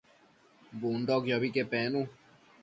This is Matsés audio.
Bundoquiobi que penu